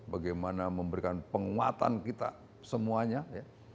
bagaimana memberikan penguatan kita semuanya ya